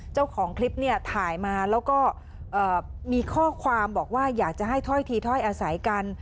เจ้าของคลิปเนี่ยถ่ายมาแล้วก็มีข้อความบอกว่าอยากจะให้ถ้อยทีถ้อยอาศัยกัน